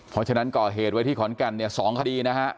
เพราะฉะนั้นก่อเหตุไว้ที่ขอนแก่นเนี่ย๒คดีนะฮะ